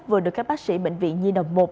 vừa được các bác sĩ bệnh viện nhi đồng một